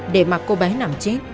để mặc cô bé nằm chết